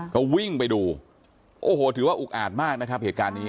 ก็วิ่งไปดูโอ้โหถือว่าอุกอาจมากนะครับเหตุการณ์นี้